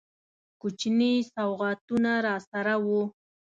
کوچني سوغاتونه راسره وه.